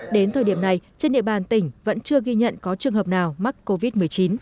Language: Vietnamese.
đến thời điểm này trên địa bàn tỉnh vẫn chưa ghi nhận có trường hợp nào mắc covid một mươi chín